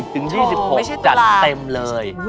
ถึง๒๖จัดเต็มเลย